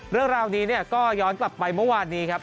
เรื่องราวนี้เนี่ยก็ย้อนกลับไปเมื่อวานนี้ครับ